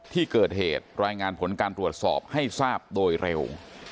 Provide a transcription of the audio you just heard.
ที่เกิดเหตุรายงานผลการตรวจสอบให้ทราบโดยเร็ว